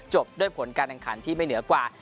จบด้วยผลการแข่งขันที่ไม่เหนือกว่า